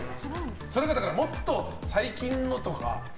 それかもっと最近のとか。